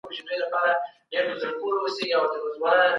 خپل تېروتني به په زړورتیا منئ.